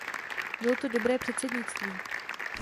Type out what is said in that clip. Bylo to dobré předsednictví.